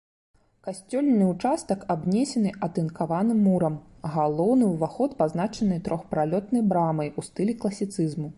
Касцёльны ўчастак абнесены атынкаваным мурам, галоўны ўваход пазначаны трохпралётнай брамай у стылі класіцызму.